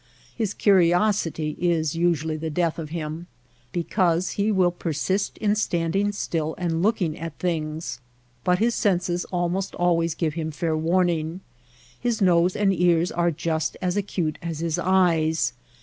His curiosity is usually the death of him, be cause he will persist in standing still and look ing at things ; but his senses almost always give him fair warning. His nose and ears are just as acute as his eyes.